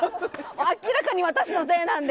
明らかに私のせいなんで。